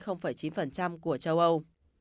trong châu âu